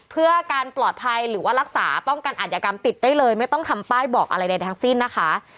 เพื่อการปลอดภัยหรือว่ารักษาป้องกันอัธยกรรมติดได้เลยไม่ต้องทำป้ายบอกอะไรใดทั้งสิ้นนะคะ